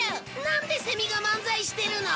なんでセミが漫才してるの！？